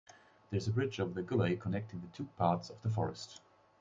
There is a bridge over the gully connecting the two parts of the forest.